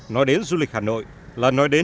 nói đến du lịch hà nội là nói đến